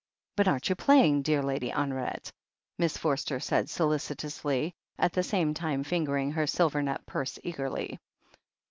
..." "But aren't you playing, dear Lady Honoret?" Miss Forster said solicitously, at the same time fingering her silver net purse eagerly.